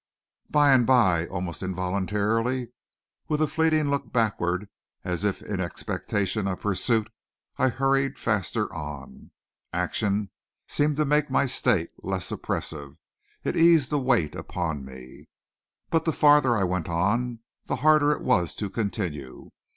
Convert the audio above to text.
By and by, almost involuntarily, with a fleeting look backward as if in expectation of pursuit, I hurried faster on. Action seemed to make my state less oppressive; it eased the weight upon me. But the farther I went on, the harder it was to continue.